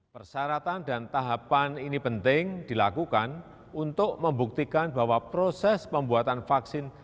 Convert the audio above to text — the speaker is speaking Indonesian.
persyaratan dan tahapan ini penting dilakukan untuk membuktikan bahwa proses pembuatan vaksin